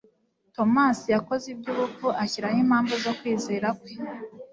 Tomasi yakoze iby'ubupfu ashyiraho impamvu zo kwizera kwe,